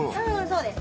そうです。